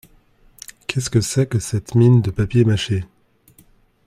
Qu’est-ce que c’est que cette mine de papier mâché ?